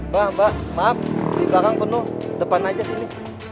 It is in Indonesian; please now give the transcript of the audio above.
bah bah maaf di belakang penuh depan aja sini